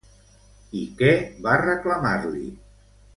I què va reclamar-li?